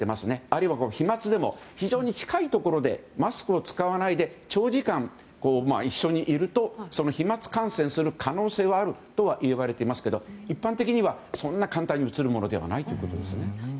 あるいは飛沫でも非常に近いところでマスクを使わないで長時間一緒にいると飛沫感染する可能性はあるとはいわれていますが一般的にはそんな簡単にうつるものではないということです。